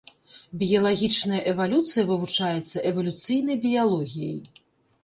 Біялагічная эвалюцыя вывучаецца эвалюцыйнай біялогіяй.